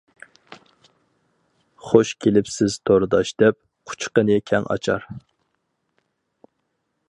خۇش كېلىپسىز تورداش دەپ، قۇچىقىنى كەڭ ئاچار.